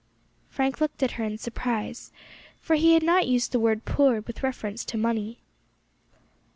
Frank looked at her in surprise, for he had not used the word poor with reference to money.